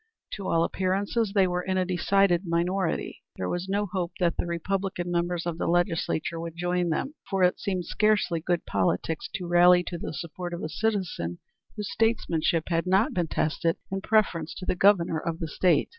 To all appearances they were in a decided minority. There was no hope that the Republican members of the Legislature would join them, for it seemed scarcely good politics to rally to the support of a citizen whose statesmanship had not been tested in preference to the Governor of the State.